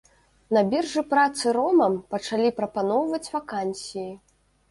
На біржы працы ромам пачалі прапаноўваць вакансіі.